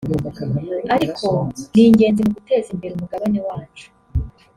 ariko ni ingenzi mu guteza imbere umugabane wacu